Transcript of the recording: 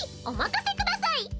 お任せください。